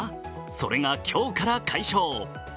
それが、今日から解消。